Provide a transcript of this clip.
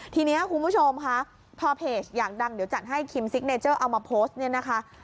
ทีนี้คุณผู้ชมค่ะพอเพจอยากดังเดี๋ยวจัดให้คิมซิกเนเจอร์เอามาโพสต์เนี่ยนะคะ